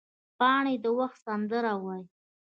پاڼې د وخت سندره وایي